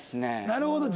なるほど！